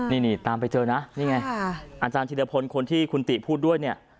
นี่ตามไปเจอนะนี่ไงอาจารย์ธิรพลคนที่คุณติพูดด้วยเนี่ย